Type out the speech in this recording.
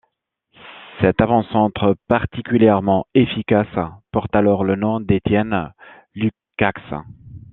Cet avant-centre particulièrement efficace porte alors le nom d'Étienne Lukacs.